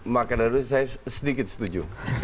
maka dari itu saya sedikit setuju